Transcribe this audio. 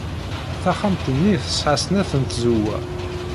Taxxamt-nni tesɛa snat n tzewwa.